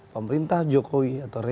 pemerintah jokowi atau reset